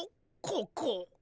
ここ。